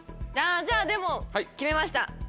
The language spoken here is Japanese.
じゃあでも決めました